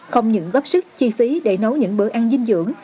không những góp sức chi phí để nấu những bữa ăn dinh dưỡng